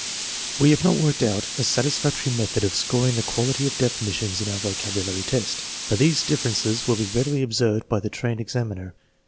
We have not worked out a satisfactory method of scor ing the quality of definitions in our vocabulary test, but these differences will be readily observed by the trained examiner.